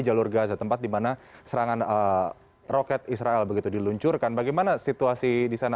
jalur gaza tempat di mana serangan roket israel begitu diluncurkan bagaimana situasi di sana